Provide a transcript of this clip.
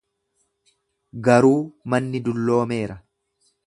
Garuu manni dulloomeera.